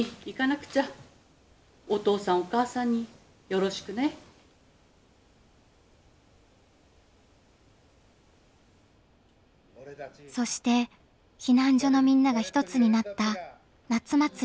そして避難所のみんながひとつになった夏祭り。